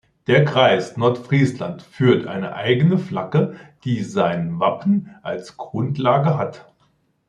Der Kreis Nordfriesland führt eine eigene Flagge, die sein Wappen als Grundlage hat.